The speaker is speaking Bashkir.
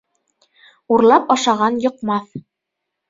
Урлап ашаған йоҡмаҫ.